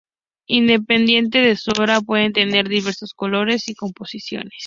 Independientemente de su forma pueden tener diversos colores y composiciones.